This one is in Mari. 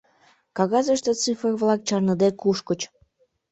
Кагазыште цифр-влак чарныде кушкыч.